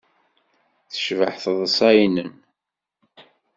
Tecbeḥ teḍsa-nnem.